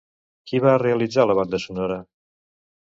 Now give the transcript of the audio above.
Qui va realitzar la banda sonora?